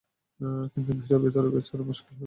কিন্তু ভীরা ভেতরে থাকায় বেচারার মুশকিল হয়ে গেছে।